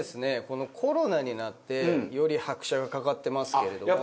このコロナになってより拍車がかかってますけれども。